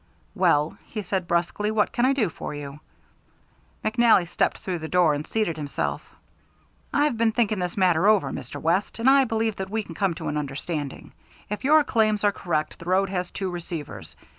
"Well," he said brusquely, "what can I do for you?" McNally stepped through the door and seated himself. "I've been thinking this matter over, Mr. West, and I believe that we can come to an understanding. If your claims are correct, the road has two receivers.